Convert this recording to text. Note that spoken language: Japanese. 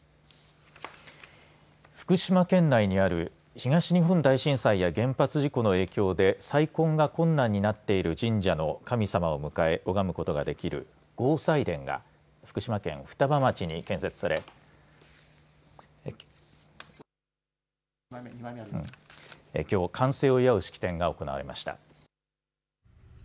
福島県内にある東日本大震災や原発事故の影響で、が困難になっている神社の神様を迎え、拝むことができる合祭殿が、福島県双葉町に建設され、きょう、完成を祝う式典が行われました。